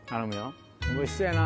おいしそうやな。